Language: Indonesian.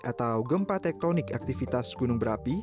atau gempa tektonik aktivitas gunung berapi